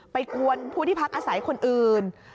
กวนผู้ที่พักอาศัยคนอื่น